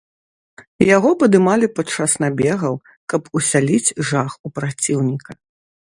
Яго падымалі падчас набегаў, каб усяліць жах у праціўніка.